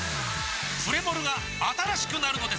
プレモルが新しくなるのです！